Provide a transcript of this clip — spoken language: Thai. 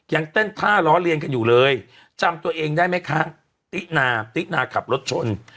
ยังเต้นท่าล้อเลียนกันอยู่เลยจำตัวเองได้ไหมคะตินาตินาขับรถชน